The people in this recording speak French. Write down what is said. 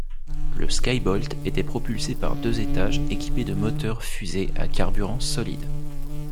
Le Skybolt était propulsé par deux étages équipés de moteur-fusées à carburant solide.